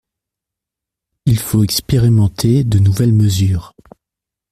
Il faut expérimenter de nouvelles mesures.